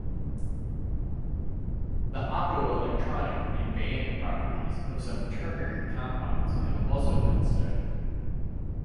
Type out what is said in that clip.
The optoelectronic and band properties of some ternary compounds have also been studied.